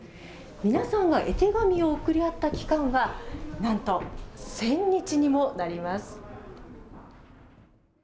皆さんが絵手紙を送り合った期間はなんと１０００日にもなります。